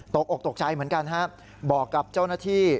ตกอกตกใจเหมือนกันครับบอกกับเจ้าหน้าที่